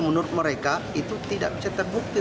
menurut mereka itu tidak bisa terbukti